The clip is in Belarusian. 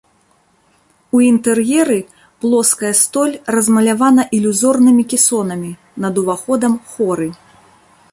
У інтэр'еры плоская столь размалявана ілюзорнымі кесонамі, над уваходам хоры.